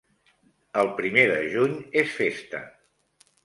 El primer de juny és festa.